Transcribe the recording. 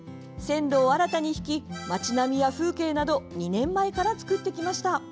線路を新たに引き街並みや風景など２年前から作ってきました。